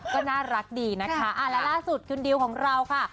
ก็น่ารักดีนะคะและล่าสุดคุณดิวของเราค่ะ